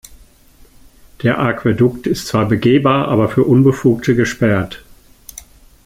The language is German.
Der Aquädukt ist zwar begehbar, aber für Unbefugte gesperrt.